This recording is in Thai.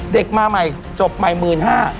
เด็กมาใหม่จบใหม่๑๕๐๐บาท